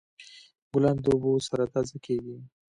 ګلان د اوبو سره تازه کیږي.